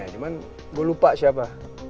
cuman gue lupa siapa